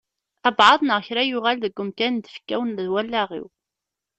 Abɛaḍ neɣ kra yuɣal deg umkan n tfekka-w d wallaɣ-iw.